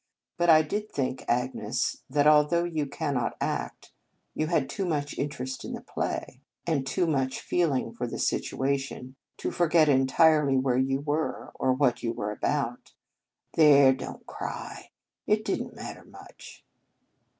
But I did think, Agnes, that, although you cannot act, you had too much interest in the play, and too much feeling for the situation, to for get entirely where you were, or what you were about. There, don t cry! It did n t matter much."